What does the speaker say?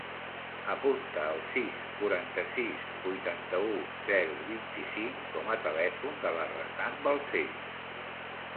Apunta el sis, quaranta-sis, vuitanta-u, zero, vint-i-cinc com a telèfon de la Razan Balsells.